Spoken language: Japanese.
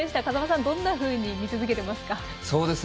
風間さん、どんなふうに見続けてますか。